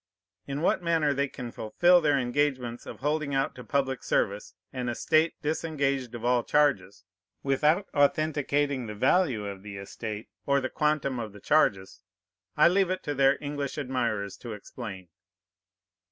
In what manner they can fulfil their engagements of holding out to public service "an estate disengaged of all charges," without authenticating the value of the estate or the quantum of the charges, I leave it to their English admirers to explain.